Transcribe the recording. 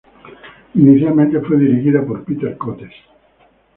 Inicialmente fue dirigida por Peter Cotes.